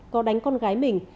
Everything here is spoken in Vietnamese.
có đánh con gái mình